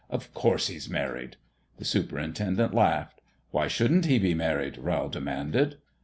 Of course, he's married !" The superintendent laughed. "Why shouldn't he be married?" Rowl de manded.